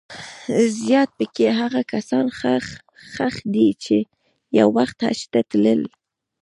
زیات په کې هغه کسان ښخ دي چې یو وخت حج ته تلل.